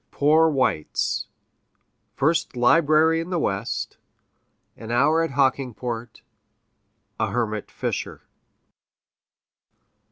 Poor whites First library in the West An hour at Hockingport A hermit fisher.